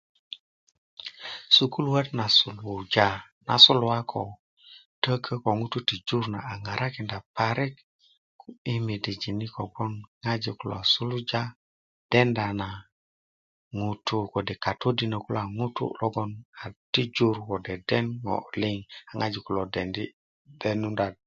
sukuluöt na suluja na suluwa ko a ko tökö ko ŋutu ti jur na a ŋarakinda parik i midijin ni kobgoŋ ŋojik kulo suluja denda na ŋutu kode katodinok kulo ŋutu logon a tiju ko deden ŋo liŋ a ŋojik kulo dedenunda